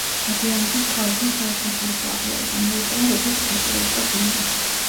მოგვიანებით ქალაქმა საერთაშორისო აღიარება მოიპოვა როგორც საკურორტო ზონამ.